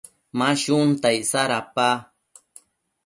Ma shunta icsa dapa?